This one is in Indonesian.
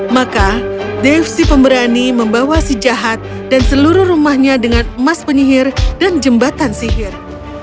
maka dave si pemberani membawa si jahat dan seluruh rumahnya dengan emas penyihir dan jembatan sihir